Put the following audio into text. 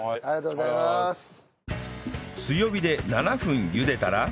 強火で７分ゆでたら